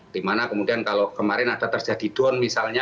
dimana kemudian kalau kemarin ada terjadi don misalnya